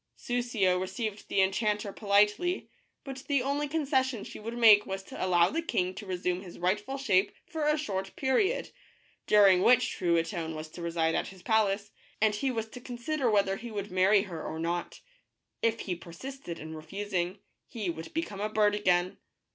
Soussio received the enchanter politely, but the only concession she would make was to allow the king to resume his rightful shape for a short period, during which Truitonne was to reside at his palace, and he was to consider whether he would marry her or not. If he persisted in refusing, he would become a bird again.